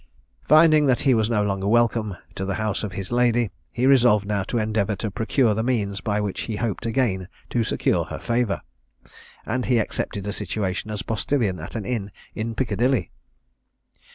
Finding that he was no longer welcome to the house of his lady, he resolved now to endeavour to procure the means by which he hoped again to secure her favour; and he accepted a situation as postilion at an inn in Piccadilly.